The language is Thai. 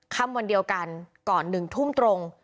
วันเดียวกันก่อน๑ทุ่มตรง